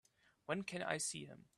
When can I see him?